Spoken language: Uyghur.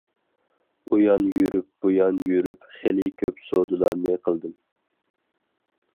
ئۇيان يۈرۈپ، بۇيان يۈرۈپ خېلى كۆپ سودىلارنى قىلدىم.